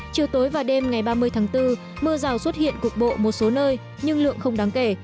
chiều tối và đêm ngày ba mươi tháng bốn mưa rào xuất hiện cục bộ một số nơi nhưng lượng không đáng kể